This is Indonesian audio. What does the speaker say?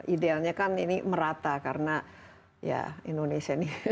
idealnya kan ini merata karena ya indonesia ini